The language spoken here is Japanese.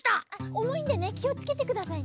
おもいんでねきをつけてくださいね。